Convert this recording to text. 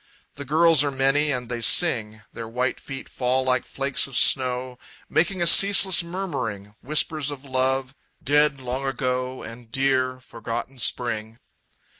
The girls are many, and they sing; Their white feet fall like flakes of snow, Making a ceaseless murmuring Whispers of love, dead long ago, And dear, forgotten Spring.